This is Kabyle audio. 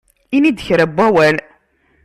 Ini-d kra n wawal!